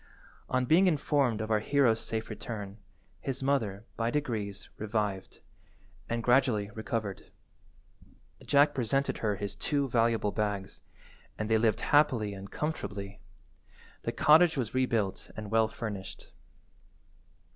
On being informed of our hero's safe return, his mother, by degrees, revived, and gradually recovered. Jack presented her his two valuable bags, and they lived happy and comfortably. The cottage was rebuilt and well furnished.